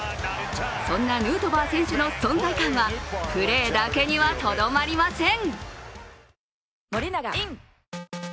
そんなヌートバー選手の存在感はプレーだけにはとどまりません。